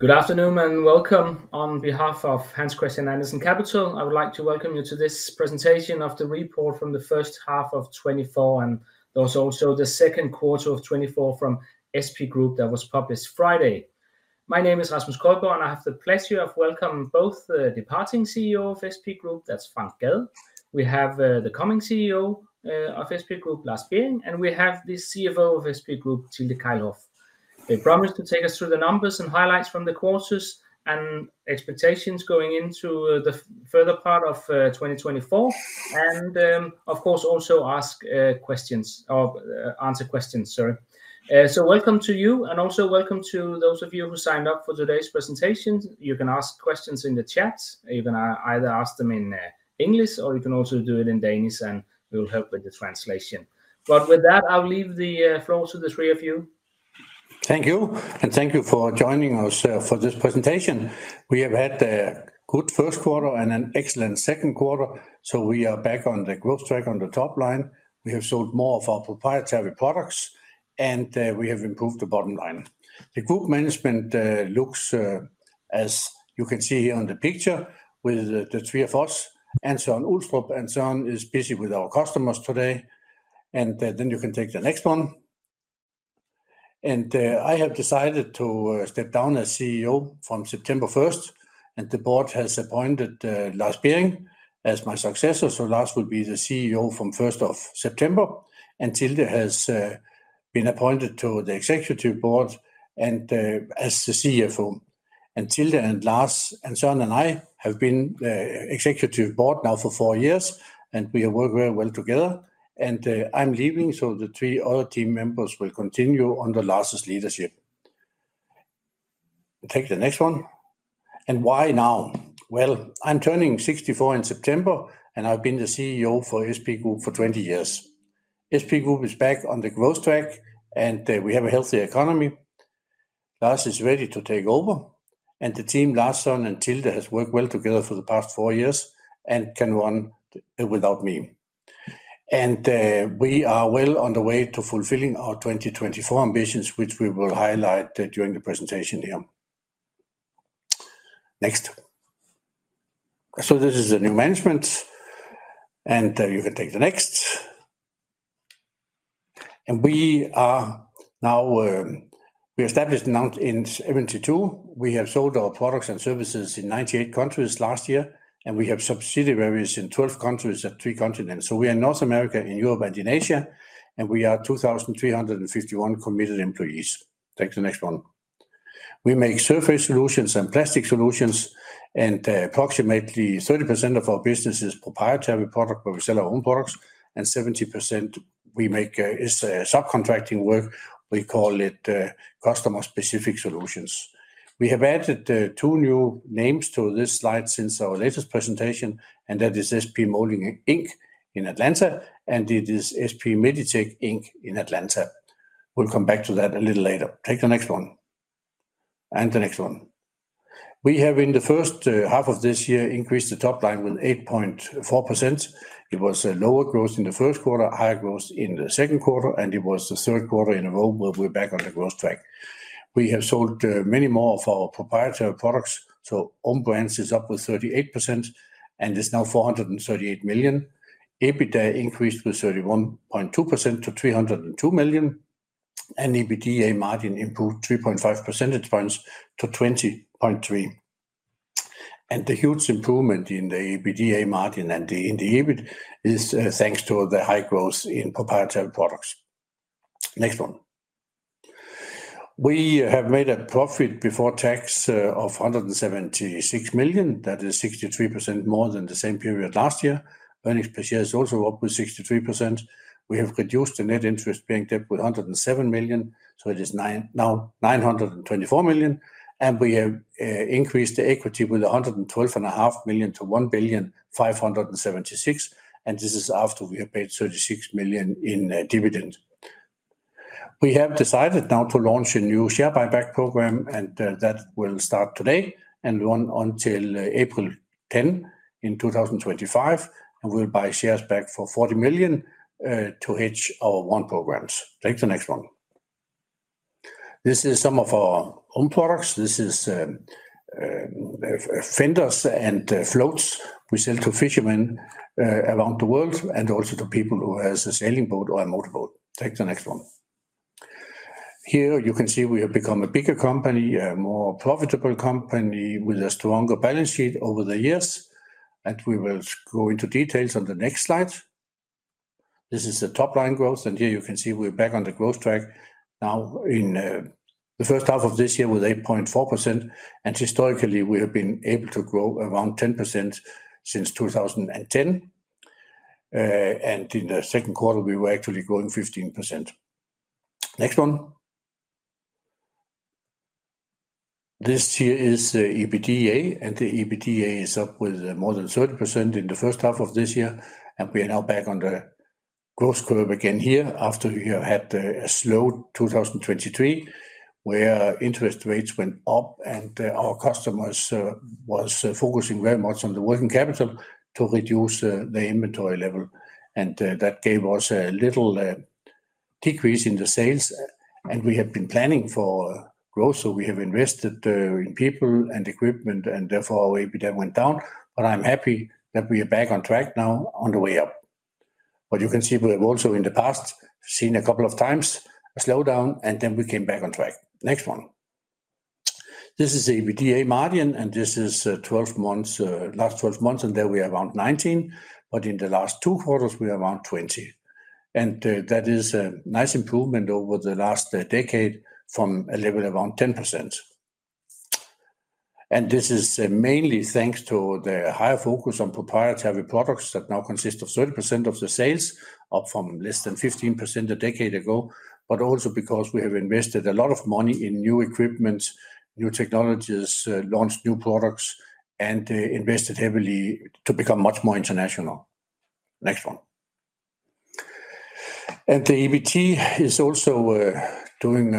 Good afternoon and welcome. On behalf of Hans Christian Andersen Capital, I would like to welcome you to this presentation of the report from the first half of 2024, and that was also the second quarter of 2024 from SP Group that was published Friday. My name is Rasmus Køjborg, and I have the pleasure of welcoming both the departing CEO of SP Group, that's Frank Gad. We have the coming CEO of SP Group, Lars Bering, and we have the CFO of SP Group, Tilde Kejlhof. They promised to take us through the numbers and highlights from the quarters and expectations going into the further part of 2024, and of course, also ask questions, or answer questions, sorry. So welcome to you and also welcome to those of you who signed up for today's presentation. You can ask questions in the chat. You can either ask them in English, or you can also do it in Danish, and we'll help with the translation. But with that, I'll leave the floor to the three of you. Thank you, and thank you for joining us for this presentation. We have had a good first quarter and an excellent second quarter, so we are back on the growth track on the top line. We have sold more of our proprietary products, and we have improved the bottom line. The group management looks, as you can see here on the picture, with the three of us, and Søren Ulstrup, and Søren is busy with our customers today. And then you can take the next one. And I have decided to step down as CEO from September 1st, and the board has appointed Lars Bering as my successor, so Lars will be the CEO from 1st of September, and Tilde has been appointed to the executive board and as the CFO. Tilde, Lars, Søren, and I have been executive board now for four years, and we have worked very well together. I'm leaving, so the three other team members will continue under Lars's leadership. Take the next one. Why now? Well, I'm turning 64 in September, and I've been the CEO for SP Group for 20 years. SP Group is back on the growth track, and we have a healthy economy. Lars is ready to take over, and the team, Lars, Søren, and Tilde, has worked well together for the past four years and can run without me. We are well on the way to fulfilling our 2024 ambitions, which we will highlight during the presentation here. Next. This is the new management, and you can take the next. We are now established in 72. We have sold our products and services in 98 countries last year, and we have subsidiaries in 12 countries at three continents. So we are in North America, in Europe, and in Asia, and we are 2,351 committed employees. Take the next one. We make surface solutions and plastic solutions, and approximately 30% of our business is proprietary product, where we sell our own products, and 70% we make is subcontracting work. We call it customer-specific solutions. We have added two new names to this slide since our latest presentation, and that is SP Moulding, Inc. in Atlanta, and it is SP Meditec, Inc. in Atlanta. We'll come back to that a little later. Take the next one, and the next one. We have, in the first half of this year, increased the top line with 8.4%. It was a lower growth in the first quarter, higher growth in the second quarter, and it was the third quarter in a row where we're back on the growth track. We have sold many more of our proprietary products, so own brands is up with 38% and is now 438 million. EBITDA increased with 31.2% to 302 million, and EBITDA margin improved 2.5 percentage points to 20.3%. The huge improvement in the EBITDA margin and the in the EBIT is thanks to the high growth in proprietary products. Next one. We have made a profit before tax of 176 million. That is 63% more than the same period last year. Earnings per share is also up with 63%. We have reduced the net interest-bearing debt with 107 million, so it is now 924 million, and we have increased the equity with 112.5 million to 1.576 billion, and this is after we have paid 36 million in dividends. We have decided now to launch a new share buyback program, and that will start today and run until April 10 in 2025, and we'll buy shares back for 40 million to hedge our own programs. Take the next one. This is some of our own products. This is fenders and floats we sell to fishermen around the world, and also to people who has a sailing boat or a motorboat. Take the next one. Here, you can see we have become a bigger company, a more profitable company, with a stronger balance sheet over the years, and we will go into details on the next slide. This is the top-line growth, and here you can see we're back on the growth track now in the first half of this year with 8.4%, and historically, we have been able to grow around 10% since 2010. And in the second quarter, we were actually growing 15%. Next one. This here is the EBITDA, and the EBITDA is up with more than 30% in the first half of this year, and we are now back on the growth curve again here, after we have had a slow 2023, where interest rates went up and our customers was focusing very much on the working capital to reduce the inventory level. And that gave us a little decrease in the sales, and we have been planning for growth, so we have invested in people and equipment, and therefore our EBITDA went down. But I'm happy that we are back on track now on the way up. But you can see we have also, in the past, seen a couple of times a slowdown, and then we came back on track. Next one. This is EBITDA margin, and this is, 12 months, last 12 months, and there we are around 19, but in the last 2 quarters we are around 20. And, that is a nice improvement over the last decade from a level around 10%. And this is mainly thanks to the higher focus on proprietary products that now consist of 30% of the sales, up from less than 15% a decade ago, but also because we have invested a lot of money in new equipments, new technologies, launched new products, and invested heavily to become much more international. Next one. And the EBT is also, doing,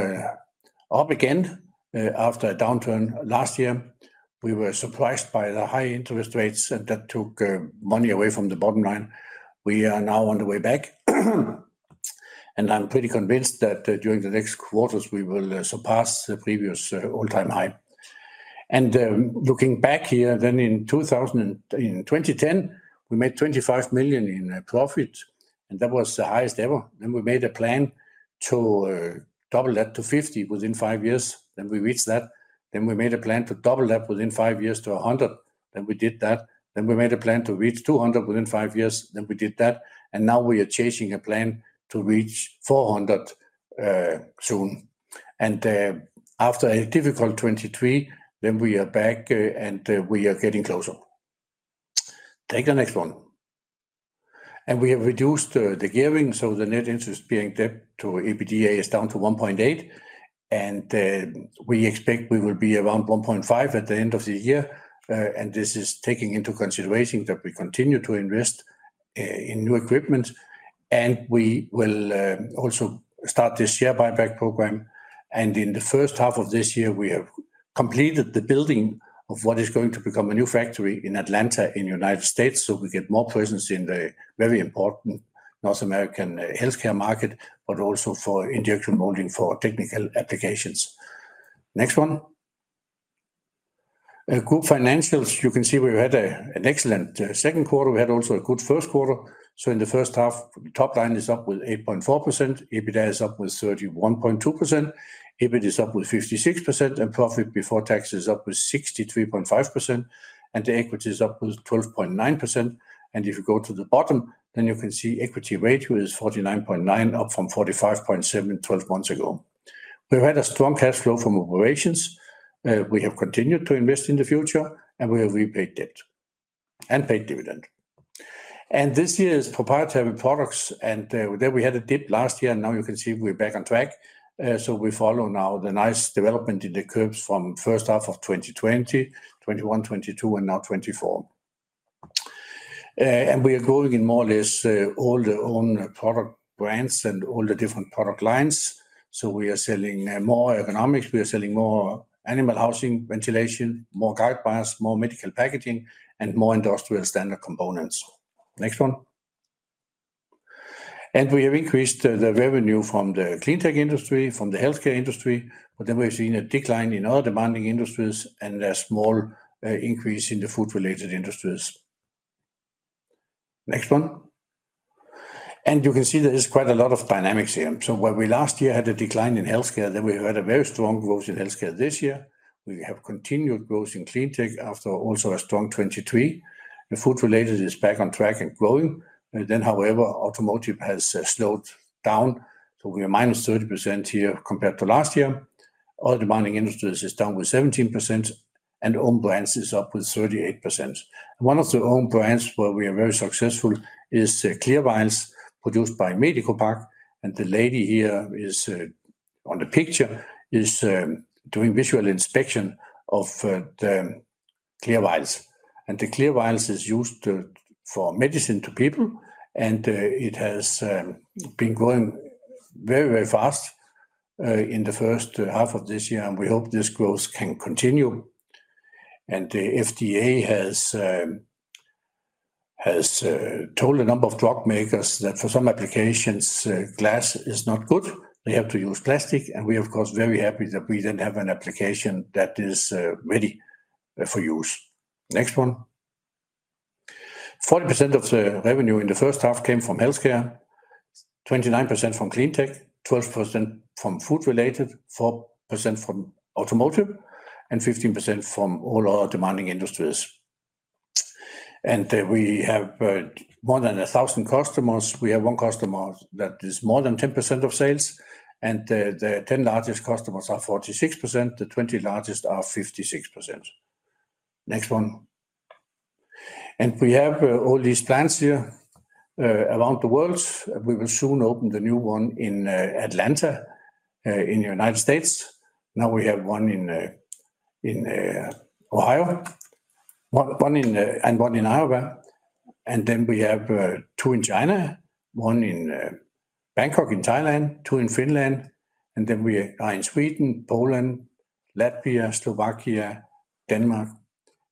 up again, after a downturn last year. We were surprised by the high interest rates, and that took, money away from the bottom line. We are now on the way back, and I'm pretty convinced that during the next quarters we will surpass the previous all-time high. And looking back here then in 2010, we made 25 million in profit, and that was the highest ever. Then we made a plan to double that to 50 million within five years, then we reached that. Then we made a plan to double that within five years to 100 million, and we did that. Then we made a plan to reach 200 million within five years, then we did that. And now we are chasing a plan to reach 400 million soon. And after a difficult 2023, then we are back, and we are getting closer. Take the next one. And we have reduced the gearing, so the net interest-bearing debt to EBITDA is down to 1.8, and we expect we will be around 1.5 at the end of the year. And this is taking into consideration that we continue to invest in new equipment, and we will also start this share buyback program. And in the first half of this year, we have completed the building of what is going to become a new factory in Atlanta, in United States, so we get more presence in the very important North American healthcare market, but also for injection molding for technical applications. Next one. Group financials, you can see we've had an excellent second quarter. We had also a good first quarter. So in the first half, top line is up with 8.4%, EBITDA is up with 31.2%, EBIT is up with 56%, and profit before tax is up with 63.5%, and the equity is up with 12.9%. And if you go to the bottom, then you can see equity ratio is 49.9, up from 45.7, 12 months ago. We've had a strong cash flow from operations. We have continued to invest in the future, and we have repaid debt and paid dividend. And this year's proprietary products, there we had a dip last year, and now you can see we're back on track. So we follow now the nice development in the curves from first half of 2020, 2021, 2022, and now 2024. And we are growing in more or less all the own product brands and all the different product lines. So we are selling more ergonomics, we are selling more animal housing, ventilation, more guide wires, more medical packaging, and more industrial standard components. Next one. And we have increased the revenue from the clean tech industry, from the healthcare industry, but then we've seen a decline in other demanding industries and a small increase in the food-related industries. Next one. And you can see there is quite a lot of dynamics here. So where we last year had a decline in healthcare, then we had a very strong growth in healthcare this year. We have continued growth in clean tech after also a strong 2023. The food-related is back on track and growing. Then however, automotive has slowed down, so we are -30% here compared to last year. Other demanding industries is down 17%, and own brands is up 38%. One of the own brands where we are very successful is ClearVials produced by MedicoPack, and the lady here is on the picture, is doing visual inspection of the ClearVials. And the ClearVials is used for medicine to people, and it has been growing very, very fast in the first half of this year, and we hope this growth can continue. And the FDA has told a number of drug makers that for some applications, glass is not good, they have to use plastic. We are, of course, very happy that we then have an application that is ready for use. Next one. 40% of the revenue in the first half came from healthcare, 29% from clean tech, 12% from food-related, 4% from automotive, and 15% from all other demanding industries. We have more than a thousand customers. We have one customer that is more than 10% of sales, and the 10 largest customers are 46%, the 20 largest are 56%. Next one. We have all these plants here around the world. We will soon open the new one in Atlanta in the United States. Now, we have one in Ohio, one in, and one in Iowa. Then we have two in China, one in Bangkok, in Thailand, two in Finland, and then we are in Sweden, Poland, Latvia, Slovakia, Denmark.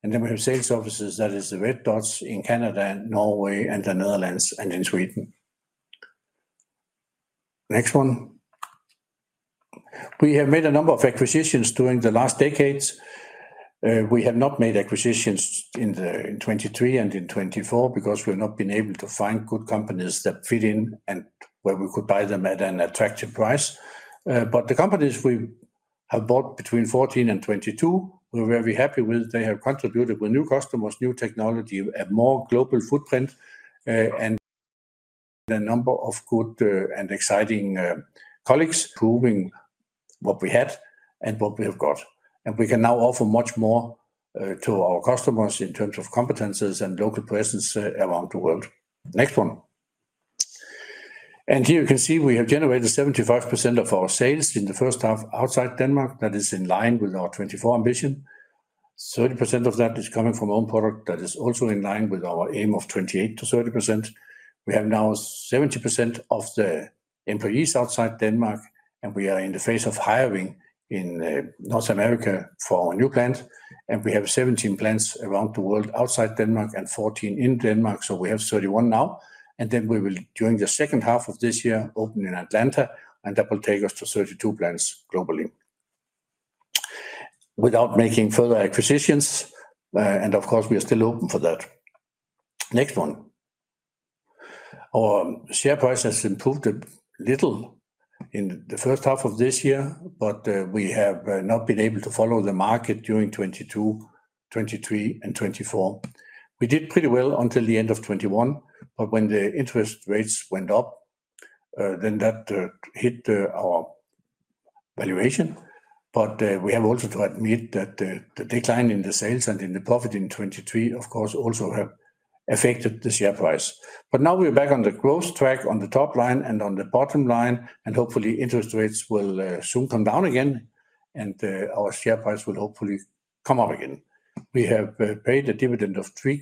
We have sales offices, that is the red dots, in Canada and Norway and the Netherlands and in Sweden. Next one. We have made a number of acquisitions during the last decades. We have not made acquisitions in the 2023 and in 2024, because we've not been able to find good companies that fit in and where we could buy them at an attractive price. But the companies we have bought between 2014 and 2022, we're very happy with. They have contributed with new customers, new technology, a more global footprint, and the number of good and exciting colleagues improving what we had and what we have got. We can now offer much more to our customers in terms of competencies and local presence around the world. Next one. Here you can see we have generated 75% of our sales in the first half outside Denmark. That is in line with our 2024 ambition. 30% of that is coming from own product, that is also in line with our aim of 28%-30%. We have now 70% of the employees outside Denmark, and we are in the phase of hiring in North America for our new plant, and we have 17 plants around the world outside Denmark and 14 in Denmark, so we have 31 now. Then we will, during the second half of this year, open in Atlanta, and that will take us to 32 plants globally. Without making further acquisitions, and of course, we are still open for that. Next one. Our share price has improved a little in the first half of this year, but we have not been able to follow the market during 2022, 2023, and 2024. We did pretty well until the end of 2021, but when the interest rates went up, then that hit our valuation. We have also to admit that the decline in the sales and in the profit in 2023, of course, also have affected the share price. Now we're back on the growth track, on the top line and on the bottom line, and hopefully interest rates will soon come down again, and our share price will hopefully come up again. We have paid a dividend of 3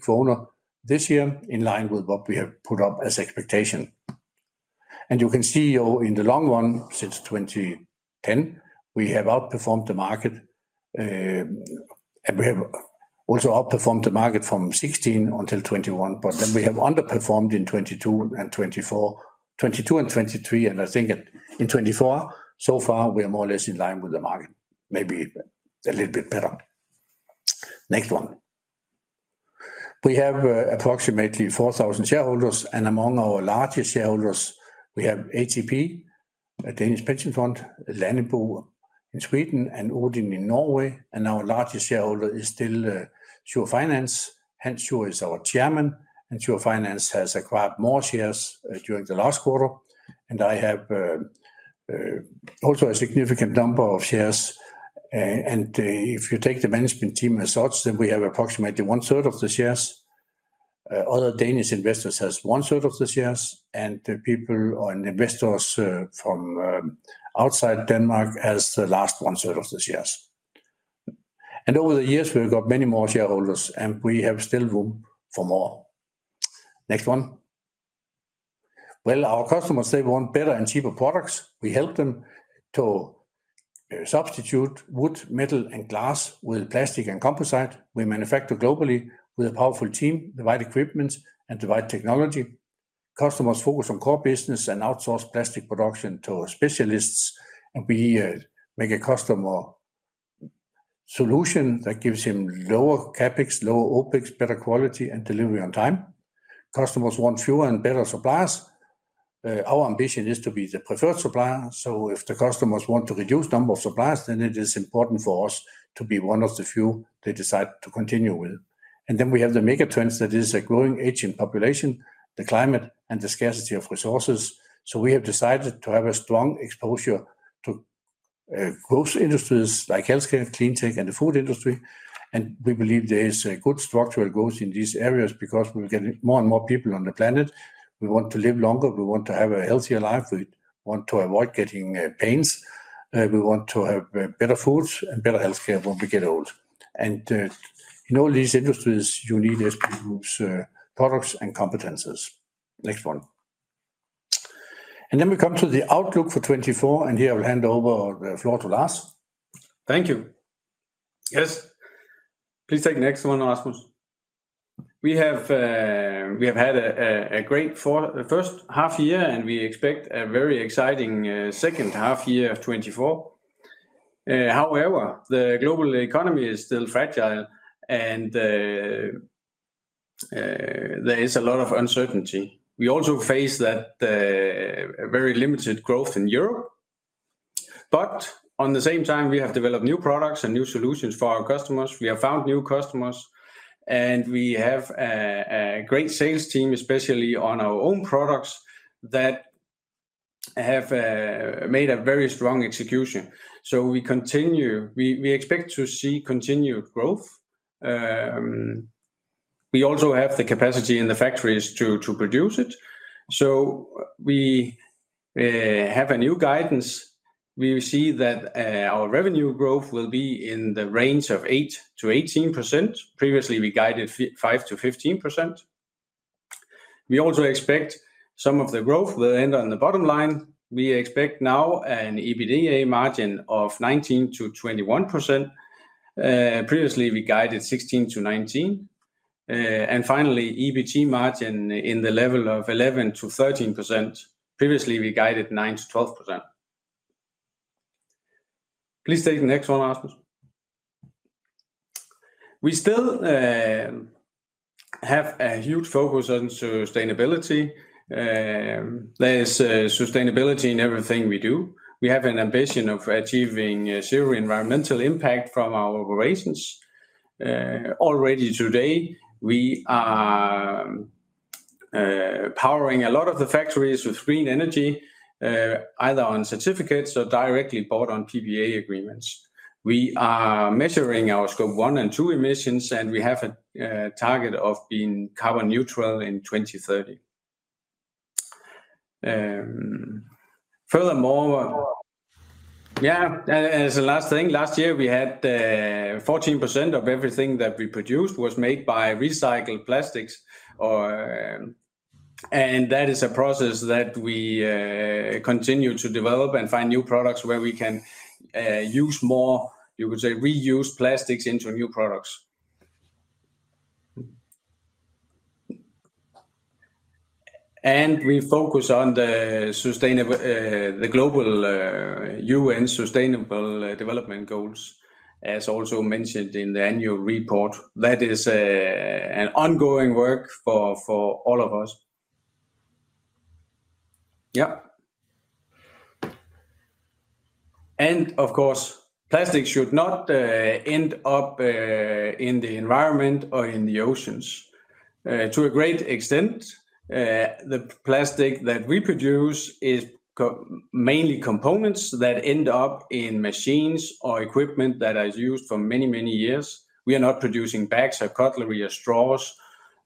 kroner this year, in line with what we have put up as expectation and you can see in the long run, since 2010, we have outperformed the market, and we have also outperformed the market from 2016 until 2021, but then we have underperformed in 2022 and 2023, and I think in 2024, so far, we are more or less in line with the market, maybe a little bit better. Next one. We have approximately 4,000 shareholders, and among our largest shareholders, we have ATP, a Danish pension fund, Lannebo in Sweden, and Odin in Norway, and our largest shareholder is still Schur Finance, hence Schur is our Chairman, and Schur Finance has acquired more shares during the last quarter. I have also a significant number of shares, and if you take the management team as such, then we have approximately one third of the shares. Other Danish investors has one third of the shares, and the people or investors from outside Denmark has the last one third of the shares. Over the years, we've got many more shareholders, and we have still room for more. Next one. Our customers, they want better and cheaper products. We help them to substitute wood, metal, and glass with plastic and composite. We manufacture globally with a powerful team, the right equipment, and the right technology. Customers focus on core business and outsource plastic production to specialists, and we make a customer solution that gives him lower CapEx, lower OpEx, better quality, and delivery on time. Customers want fewer and better suppliers. Our ambition is to be the preferred supplier, so if the customers want to reduce number of suppliers, then it is important for us to be one of the few they decide to continue with. And then we have the mega trends, that is a growing aging population, the climate, and the scarcity of resources. So we have decided to have a strong exposure to growth industries like healthcare, clean tech, and the food industry, and we believe there is a good structural growth in these areas because we're getting more and more people on the planet. We want to live longer, we want to have a healthier life, we want to avoid getting pains, we want to have better foods and better healthcare when we get old. And in all these industries, you need SP Group's products and competencies. Next one. And then we come to the outlook for 2024, and here I will hand over the floor to Lars. Thank you. Yes, please take the next one, Rasmus. We have had a great first half year, and we expect a very exciting second half year of 2024. However, the global economy is still fragile, and there is a lot of uncertainty. We also face that very limited growth in Europe, but on the same time, we have developed new products and new solutions for our customers. We have found new customers, and we have a great sales team, especially on our own products, that have made a very strong execution. So we expect to see continued growth. We also have the capacity in the factories to produce it. So we have a new guidance. We see that our revenue growth will be in the range of 8-18%. Previously, we guided 5%-15%. We also expect some of the growth will end on the bottom line. We expect now an EBITDA margin of 19%-21%. Previously, we guided 16%-19%. And finally, EBT margin in the level of 11%-13%. Previously, we guided 9%-12%. Please take the next one, Rasmus. We still have a huge focus on sustainability. There's sustainability in everything we do. We have an ambition of achieving zero environmental impact from our operations. Already today, we are powering a lot of the factories with green energy, either on certificates or directly bought on PPA agreements. We are measuring our Scope 1 and 2 emissions, and we have a target of being carbon neutral in 2030. Furthermore, as a last thing, last year we had 14% of everything that we produced was made by recycled plastics, or, and that is a process that we continue to develop and find new products where we can use more, you could say, reuse plastics into new products. And we focus on the sustainable, the global, UN Sustainable Development Goals, as also mentioned in the annual report. That is an ongoing work for all of us. Yep. And of course, plastic should not end up in the environment or in the oceans. To a great extent, the plastic that we produce is mainly components that end up in machines or equipment that is used for many, many years. We are not producing bags or cutlery or straws,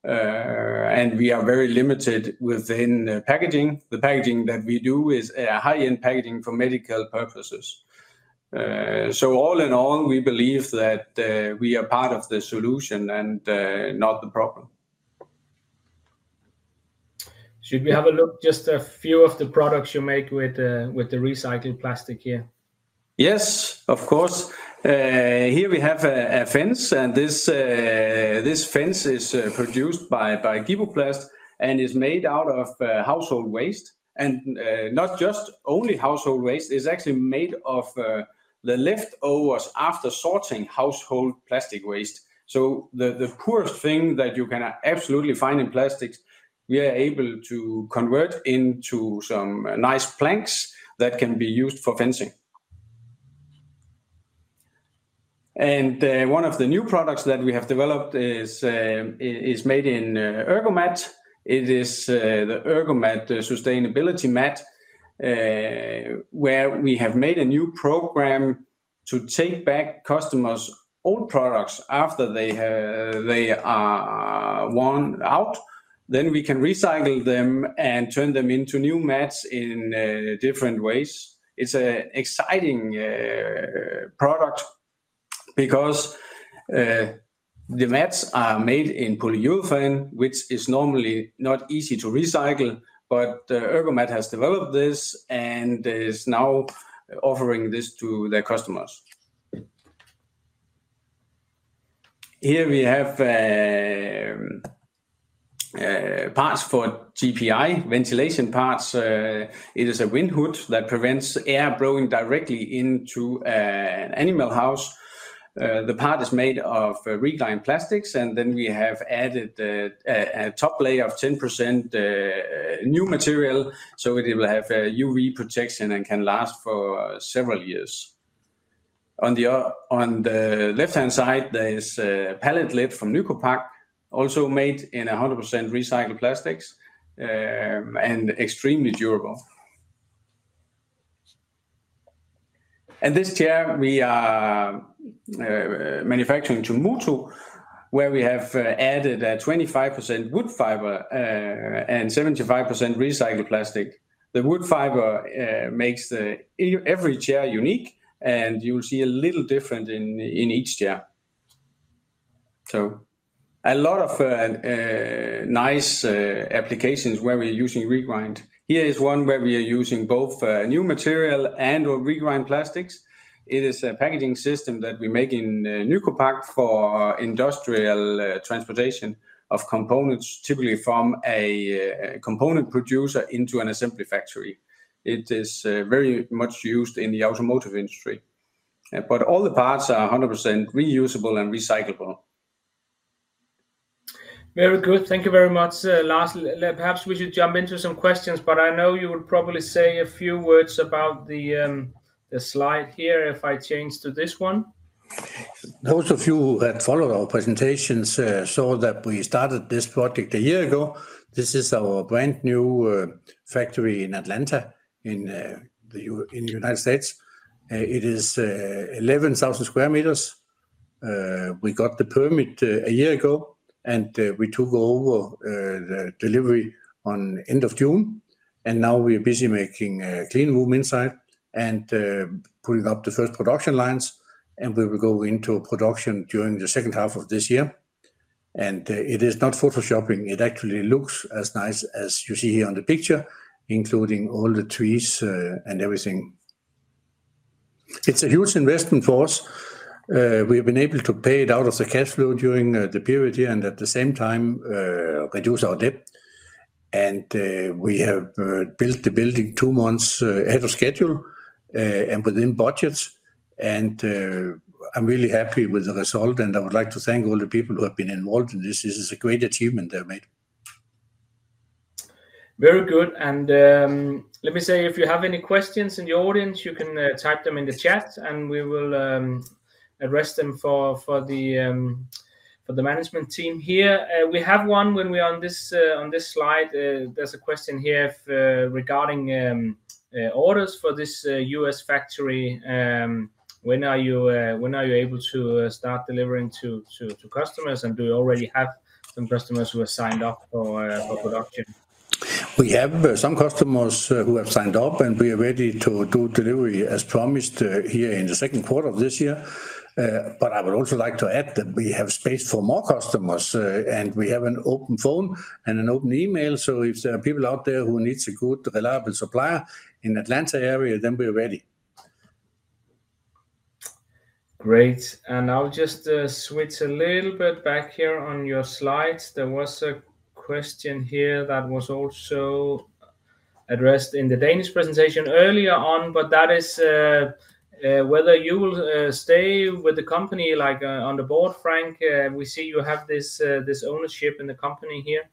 and we are very limited within packaging. The packaging that we do is a high-end packaging for medical purposes. So all in all, we believe that we are part of the solution and not the problem. Should we have a look just a few of the products you make with the recycled plastic here? Yes, of course. Here we have a fence, and this fence is produced by Gibo Plast and is made out of household waste, and not just only household waste, it's actually made of the leftovers after sorting household plastic waste, so the poorest thing that you can absolutely find in plastics, we are able to convert into some nice planks that can be used for fencing, and one of the new products that we have developed is made in Ergomat. It is the Ergomat sustainability mat, where we have made a new program to take back customers' old products after they are worn out. Then we can recycle them and turn them into new mats in different ways. It's a exciting product because the mats are made in polyurethane, which is normally not easy to recycle, but Ergomat has developed this and is now offering this to their customers. Here we have parts for TPI, ventilation parts. It is a wind hood that prevents air blowing directly into an animal house. The part is made of regrind plastics, and then we have added a top layer of 10% new material, so it will have UV protection and can last for several years. On the left-hand side, there is a pallet lid from Nycopac, also made in 100% recycled plastics and extremely durable. And this chair we are manufacturing to Muuto, where we have added 25% wood fiber and 75% recycled plastic. The wood fiber makes every chair unique, and you will see a little different in each chair. So a lot of nice applications where we're using regrind. Here is one where we are using both new material and/or regrind plastics. It is a packaging system that we make in Nycopac for industrial transportation of components, typically from a component producer into an assembly factory. It is very much used in the automotive industry, but all the parts are 100% reusable and recyclable. Very good. Thank you very much, Lars. Perhaps we should jump into some questions, but I know you would probably say a few words about the slide here if I change to this one. Those of you who had followed our presentations saw that we started this project a year ago. This is our brand-new factory in Atlanta, in the United States. It is 11,000 sq m. We got the permit a year ago, and we took over the delivery on end of June, and now we're busy making a clean room inside and putting up the first production lines, and we will go into production during the second half of this year, and it is not photoshopping. It actually looks as nice as you see here on the picture, including all the trees and everything. It's a huge investment for us. We've been able to pay it out of the cash flow during the period here, and at the same time reduce our debt. We have built the building two months ahead of schedule and within budget. I'm really happy with the result, and I would like to thank all the people who have been involved in this. This is a great achievement they've made. Very good, and let me say, if you have any questions in the audience, you can type them in the chat, and we will address them for the management team here. We have one when we're on this slide. There's a question here regarding orders for this U.S. factory. When are you able to start delivering to customers? And do you already have some customers who have signed up for production? We have some customers who have signed up, and we are ready to do delivery as promised, here in the second quarter of this year. But I would also like to add that we have space for more customers, and we have an open phone and an open email, so if there are people out there who needs a good, reliable supplier in Atlanta area, then we're ready. Great. And I'll just switch a little bit back here on your slides. There was a question here that was also addressed in the Danish presentation earlier on, but that is whether you will stay with the company, like, on the board, Frank? We see you have this ownership in the company here.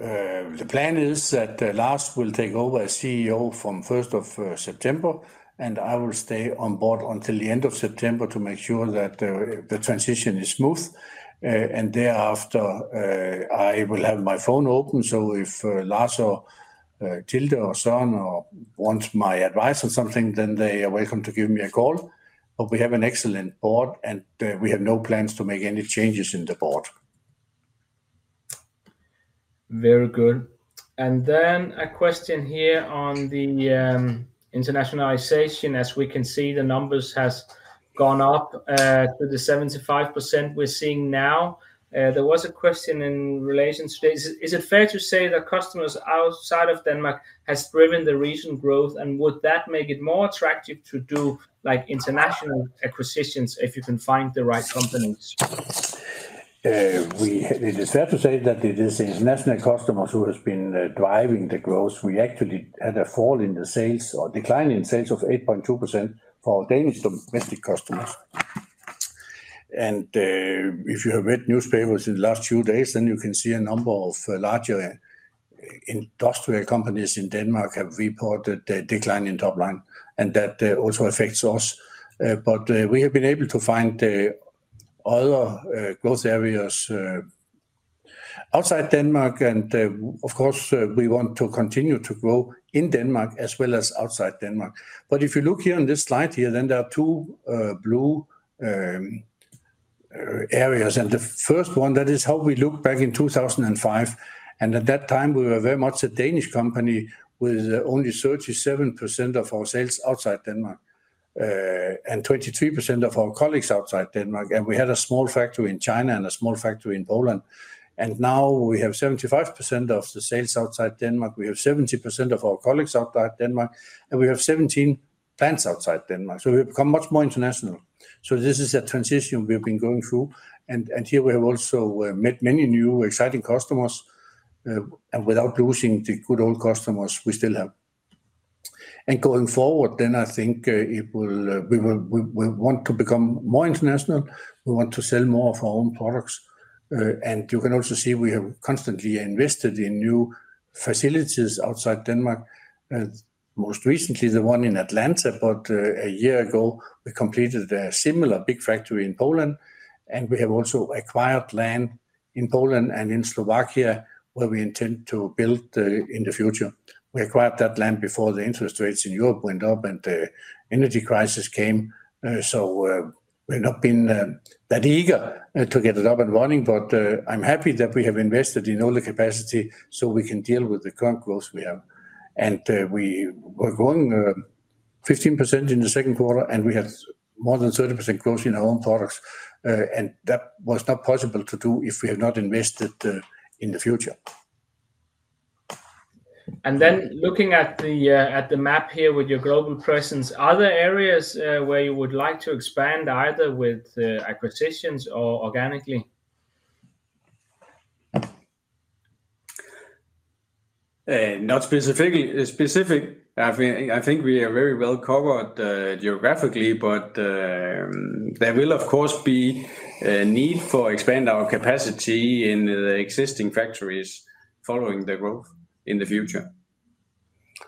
The plan is that Lars will take over as CEO from 1st of September, and I will stay on board until the end of September to make sure that the transition is smooth. And thereafter, I will have my phone open, so if Lars or Tilde or Søren or want my advice on something, then they are welcome to give me a call. But we have an excellent board, and we have no plans to make any changes in the board. Very good. And then a question here on the internationalization. As we can see, the numbers has gone up to the 75% we're seeing now. There was a question in relation to this: Is it fair to say that customers outside of Denmark has driven the recent growth, and would that make it more attractive to do, like, international acquisitions if you can find the right companies? It is fair to say that it is the international customers who has been driving the growth. We actually had a fall in the sales or decline in sales of 8.2% for Danish domestic customers. If you have read newspapers in the last few days, then you can see a number of larger industrial companies in Denmark have reported a decline in top line, and that also affects us, but we have been able to find other growth areas outside Denmark, and, of course, we want to continue to grow in Denmark as well as outside Denmark. But if you look here on this slide here, then there are two blue areas, and the first one, that is how we looked back in 2005, and at that time, we were very much a Danish company with only 37% of our sales outside Denmark, and 23% of our colleagues outside Denmark, and we had a small factory in China and a small factory in Poland. And now we have 75% of the sales outside Denmark, we have 70% of our colleagues outside Denmark, and we have 17 plants outside Denmark, so we have become much more international. So this is a transition we've been going through, and, and here we have also met many new, exciting customers, and without losing the good old customers we still have. Going forward, then I think we want to become more international. We want to sell more of our own products. You can also see we have constantly invested in new facilities outside Denmark, most recently the one in Atlanta. But a year ago, we completed a similar big factory in Poland, and we have also acquired land in Poland and in Slovakia, where we intend to build in the future. We acquired that land before the interest rates in Europe went up and the energy crisis came, so we've not been that eager to get it up and running. But I'm happy that we have invested in all the capacity so we can deal with the current growth we have. We were growing 15% in the second quarter, and we have more than 30% growth in our own products, and that was not possible to do if we had not invested in the future. And then looking at the map here with your global presence, are there areas where you would like to expand, either with acquisitions or organically? Not specifically. I think we are very well covered geographically, but there will of course be a need for expanding our capacity in the existing factories following the growth in the future.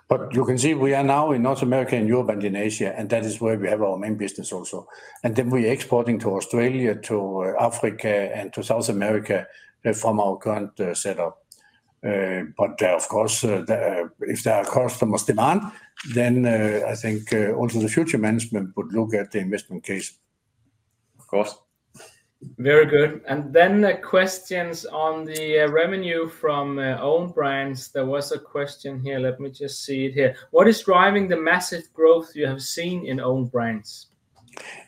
But you can see we are now in North America and Europe and in Asia, and that is where we have our main business also. And then we're exporting to Australia, to Africa, and to South America from our current setup. But of course, if there are customers' demand, then I think also the future management would look at the investment case. Of course. Very good. And then the questions on the revenue from own brands. There was a question here, let me just see it here. What is driving the massive growth you have seen in own brands?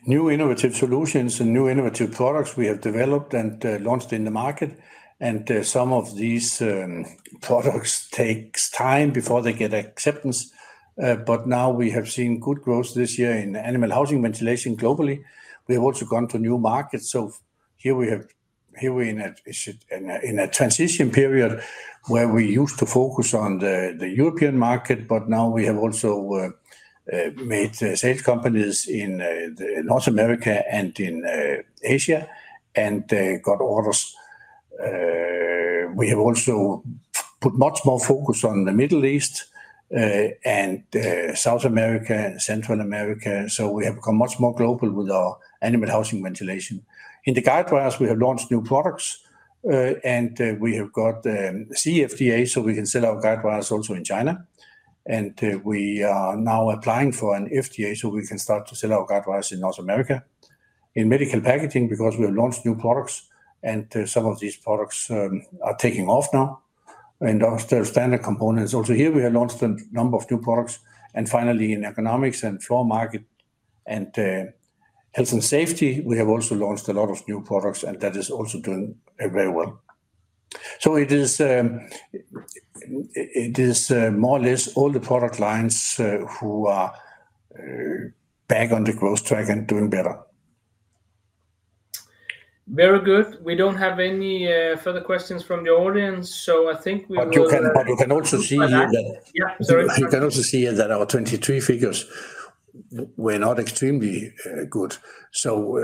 New innovative solutions and new innovative products we have developed and launched in the market, and some of these products takes time before they get acceptance, but now we have seen good growth this year in animal housing ventilation globally. We have also gone to new markets, so in a transition period where we used to focus on the European market, but now we have also made sales companies in North America and in Asia, and they got orders. We have also put much more focus on the Middle East and South America and Central America, so we have become much more global with our animal housing ventilation. In the guide wires, we have launched new products, and we have got CFDA, so we can sell our guide wires also in China, and we are now applying for an FDA so we can start to sell our guide wires in North America. In medical packaging, because we have launched new products and some of these products are taking off now, and our standard components, also here we have launched a number of new products, and finally, in ergonomics and floor market and health and safety, we have also launched a lot of new products, and that is also doing very well, so it is more or less all the product lines who are back on the growth track and doing better. Very good. We don't have any further questions from the audience, so I think we will- But you can also see that- Yeah, sorry. You can also see that our 2023 figures were not extremely good. So,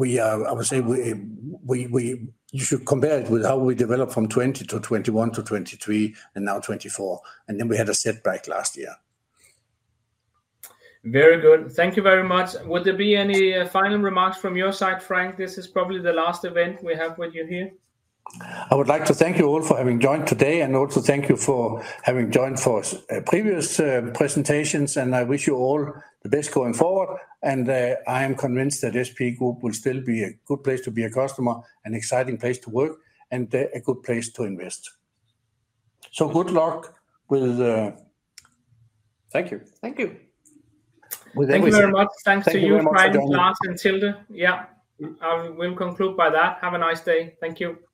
I would say you should compare it with how we developed from 2020 to 2021 to 2023, and now 2024, and then we had a setback last year. Very good. Thank you very much. Would there be any final remarks from your side, Frank? This is probably the last event we have with you here. I would like to thank you all for having joined today, and also thank you for having joined for previous presentations, and I wish you all the best going forward. And, I am convinced that SP Group will still be a good place to be a customer, an exciting place to work, and a good place to invest. So good luck with... Thank you. Thank you. Thank you very much. Thanks to you, Frank, Lars, and Tilde. Yeah, I will conclude by that. Have a nice day. Thank you.